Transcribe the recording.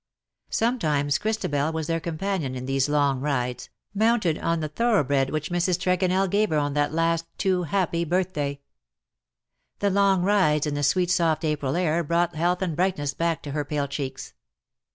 Sometimes Christabel was their companion in these long rides, mounted on the thoroughbred which Mrs. Tregonell gave heron that last too happy birthday. The long rides in the sweet soft April air brought health and brightness back to her pale cheeks.